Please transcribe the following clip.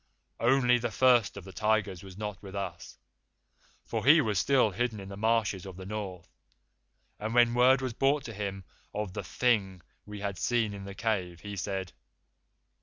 "Only the First of the Tigers was not with us, for he was still hidden in the marshes of the North, and when word was brought to him of the Thing we had seen in the cave, he said.